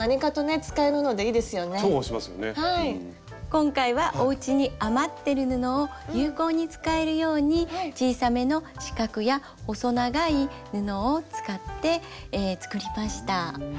今回はお家に余ってる布を有効に使えるように小さめの四角や細長い布を使って作りました。